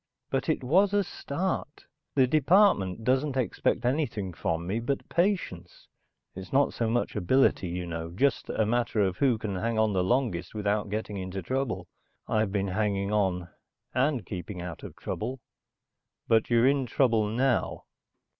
But it was a start. The department doesn't expect anything from me but patience. It's not so much ability, you know, just a matter of who can hang on the longest without getting into trouble. I've been hanging on, and keeping out of trouble." "But you're in trouble now."